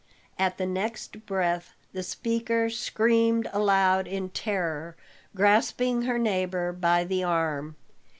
At the next breath the speaker screamed aloud in terror, grasping her neighbor by the arm.